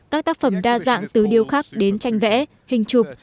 các tác phẩm đa dạng từ điều khắc đến tranh vẽ hình chụp